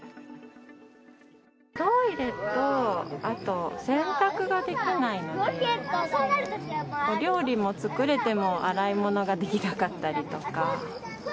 トイレとあと洗濯ができないので、料理も作れても、洗い物ができなかったりとか。